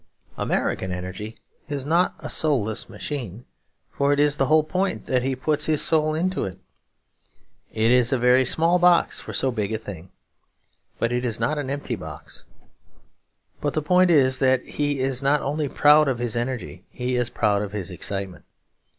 American energy is not a soulless machine; for it is the whole point that he puts his soul into it. It is a very small box for so big a thing; but it is not an empty box. But the point is that he is not only proud of his energy, he is proud of his excitement.